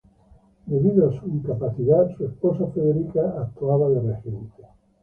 Debido a su incapacidad, su esposa Federica actuaba de regente.